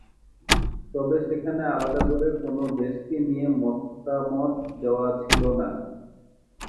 তবে সেখানে আলাদা করে কোনো দেশকে নিয়ে মতামত দেওয়া ছিল না।